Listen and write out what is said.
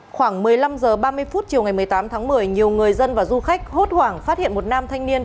khoảng một mươi năm h ba mươi phút chiều ngày một mươi tám tháng một mươi nhiều người dân và du khách hốt hoảng phát hiện một nam thanh niên